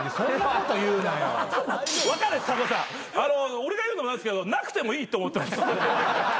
俺が言うのも何ですけどなくてもいいって思ってます。